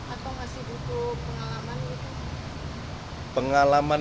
atau masih butuh pengalaman